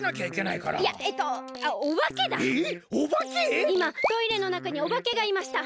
いまトイレのなかにおばけがいました。